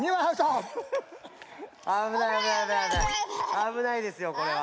あぶないですよこれは。